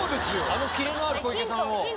あのキレのある小池さんを。